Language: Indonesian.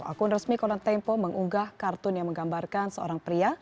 akun resmi konon tempo mengunggah kartun yang menggambarkan seorang pria